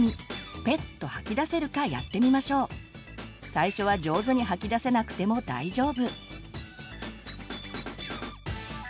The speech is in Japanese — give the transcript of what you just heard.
最初は上手に吐き出せなくても大丈夫。